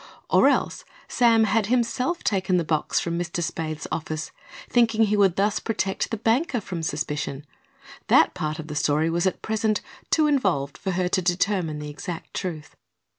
Or else Sam had himself taken the box from Mr. Spaythe's office, thinking he would thus protect the banker from suspicion. That part of the story was at present too involved for her to determine the exact truth.